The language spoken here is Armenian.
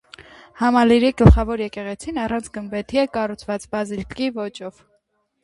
Համալիրի գլխավոր եկեղեցին առանց գմբեթի է՝ կառուցված բազիլիկի ոճով։